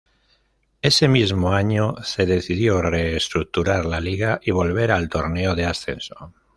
Ese mismo año se decidió reestructurar la liga y volver al torneo de ascenso.